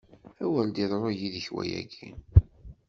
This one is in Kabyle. A wer d-iḍru yid-k wayagi!